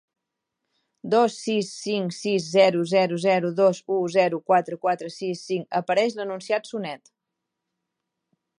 Dos sis cinc sis zero zero zero dos u zero quatre quatre sis cinc, apareix l'anunciat sonet.